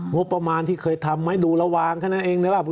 งบประมาณที่เคยทำให้ดูระวังข้างนั้นเองนะครับ